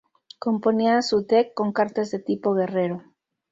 Componía su Deck con cartas de Tipo Guerrero.